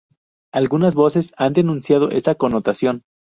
Algunas voces han denunciado esa connotación